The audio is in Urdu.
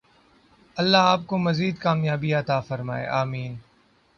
الله آپکو مزید کامیابیاں عطا فرمائے ۔آمین